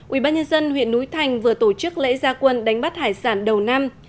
ubnd huyện núi thành vừa tổ chức lễ gia quân đánh bắt hải sản đầu năm